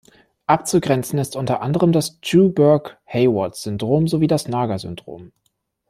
Abzugrenzen ist unter anderem das Juberg-Hayward-Syndrom sowie das Nager-Syndrom.